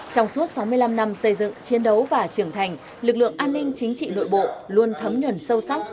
trong suốt sáu mươi năm năm xây dựng chiến đấu và trưởng thành lực lượng an ninh chính trị nội bộ luôn thấm nhuần sâu sắc